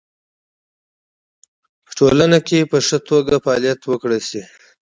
په ټولنه کې په خه توګه فعالیت وکړی شي